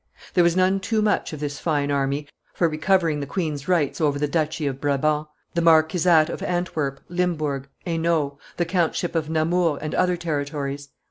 There was none too much of this fine army for recovering the queen's rights over the duchy of Brabant, the marquisate of Antwerp, Limburg, Hainault, the countship of Namur, and other territories.